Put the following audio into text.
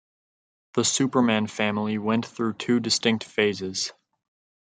"The Superman Family" went through two distinct phases.